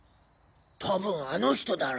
多分あの人だろ？